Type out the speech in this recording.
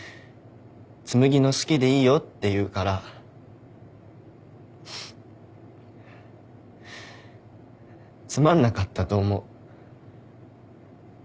紬の好きでいいよって言うからつまんなかったと思う。